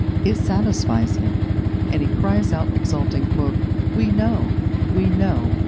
It satisfies him, and he cries out exultingly, "We know, we know!"